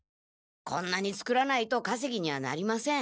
こんなに作らないとかせぎにはなりません。